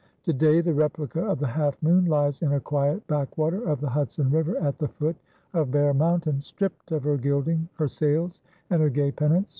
Today the replica of the Half Moon lies in a quiet backwater of the Hudson River at the foot of Bear Mountain stripped of her gilding, her sails, and her gay pennants.